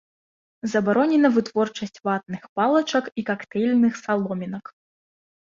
Забаронена вытворчасць ватных палачак і кактэйльных саломінак.